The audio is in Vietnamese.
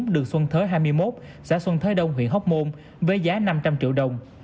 đường xuân thới hai mươi một xã xuân thới đông huyện hóc môn với giá năm trăm linh triệu đồng